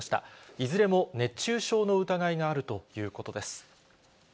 いずれも熱中症の疑いがあるということです。